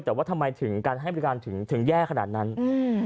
แต่ว่าทำไมถึงการให้บริการถึงถึงแย่ขนาดนั้นอืม